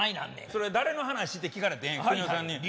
それ誰の話って聞かれてくにおさんに。